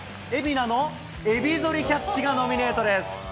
蝦名のえびぞりキャッチがノミネートです。